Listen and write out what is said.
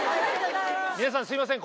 皆さんすいません